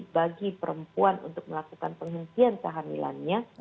bagi perempuan untuk melakukan penghentian kehamilannya